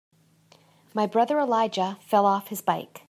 My brother Elijah fell off his bike.